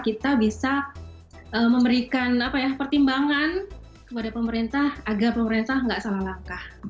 kita bisa memberikan pertimbangan kepada pemerintah agar pemerintah nggak salah langkah